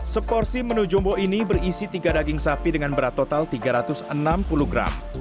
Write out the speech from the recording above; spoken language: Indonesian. seporsi menu jumbo ini berisi tiga daging sapi dengan berat total tiga ratus enam puluh gram